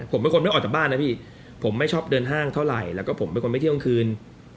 ผมไม่ควรออกจากบ้านครับพี่ผมไม่ชอบเดินห้างเท่าไหร่แล้วผมเป็นคนไม่ชื่องคืน